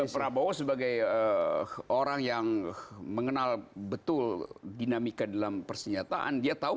prabowo sebagai orang yang mengenal betul dinamika dalam persenjataan